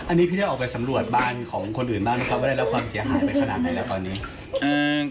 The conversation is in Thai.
อันนี้พี่ได้ออกไปสำรวจบ้านของคนอื่นบ้างไหมครับว่าได้รับความเสียหายไปขนาดไหนแล้วตอนนี้